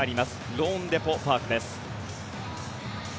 ローンデポ・パークです。